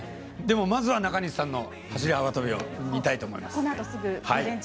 まずは中西さんの走り幅跳びを見たいと思います。